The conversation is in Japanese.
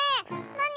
「なに？